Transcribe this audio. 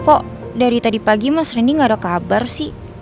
kok dari tadi pagi mas rendy nggak ada kabar sih